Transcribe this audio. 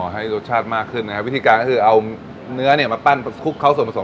ให้รสชาติมากขึ้นนะครับวิธีการก็คือเอาเนื้อเนี่ยมาปั้นคลุกเขาส่วนผสม